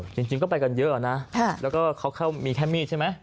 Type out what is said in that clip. จริงก็ไปกันเยอะนะแล้วก็เขามีแค่มีดใช่ไหม